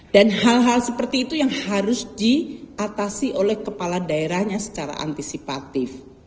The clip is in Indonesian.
dan hal hal seperti itu yang harus diatasi oleh kepala daerahnya secara antisipatif